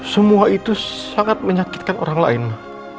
semua itu sangat menyakitkan orang lain